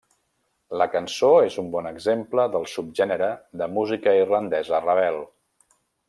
La cançó és un bon exemple del subgènere de música irlandesa rebel.